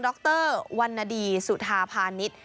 ดรวันนดีสุธาพาณิชย์